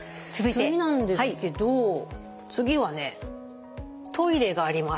次なんですけど次はねトイレがあります。